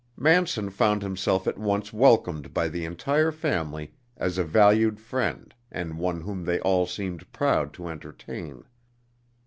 Manson found himself at once welcomed by the entire family as a valued friend and one whom they all seemed proud to entertain.